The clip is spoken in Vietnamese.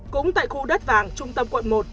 cũng tại khu đất vàng trung tâm quận một